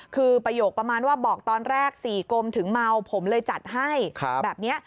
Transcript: คือประโยคประมาณว่าบอกตอนแรก๔กรมถึงเมาผมเลยจัดให้แบบนี้